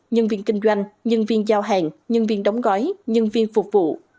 nhân viên kinh doanh nhân viên giao hàng nhân viên đóng gói nhân viên phục vụ